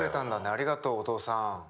ありがとうお父さん。